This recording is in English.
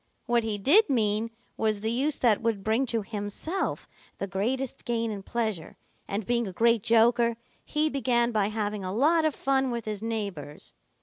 What he did mean was the use that would bring to himself the greatest gain in pleasure, and being a great joker, he began by having a lot of fun with his neighbors.